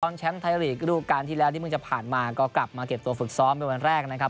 แชมป์ไทยลีกรูปการณ์ที่แล้วที่เพิ่งจะผ่านมาก็กลับมาเก็บตัวฝึกซ้อมเป็นวันแรกนะครับ